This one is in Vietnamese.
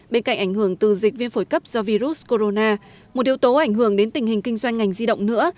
bên cạnh ảnh hưởng từ dịch viên phổi cấp do virus corona một yếu tố ảnh hưởng đến tình hình kinh doanh ngành di động nữa